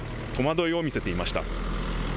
戸惑いを見せていました。